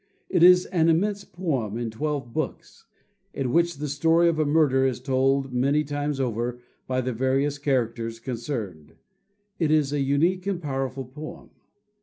It is an immense poem in twelve books, in which the story of a murder is told many times over by the various characters concerned. It is a unique and powerful poem.